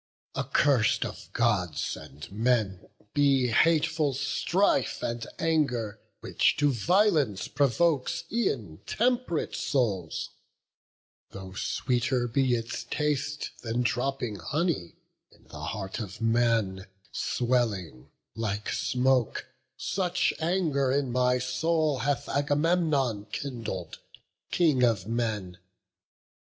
Accurs'd of Gods and men be hateful strife And anger, which to violence provokes E'en temp'rate souls: though sweeter be its taste Than dropping honey, in the heart of man Swelling, like smoke; such anger in my soul Hath Agamemnon kindled, King of men.